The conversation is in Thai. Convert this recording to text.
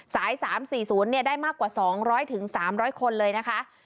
สายสามสี่ศูนย์เนี่ยได้มากกว่าสองร้อยถึงสามร้อยคนเลยนะคะ